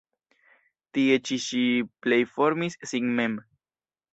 Tie ĉi ŝi plej formis sin mem.